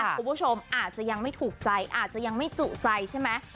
คุณผู้ชมอาจจะยังไม่ถูกใจอาจจะยังไม่จุใจใช่ไหม